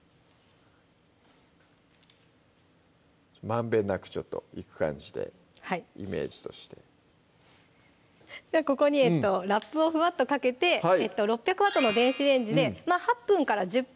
まんべんなくちょっといく感じでイメージとしてここにラップをふわっとかけて６００Ｗの電子レンジで８分１０分